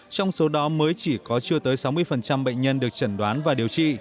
trong số đó mới chỉ có chưa tới sáu mươi bệnh nhân được chẩn đoán và điều trị